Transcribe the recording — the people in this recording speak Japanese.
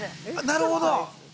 ◆なるほど。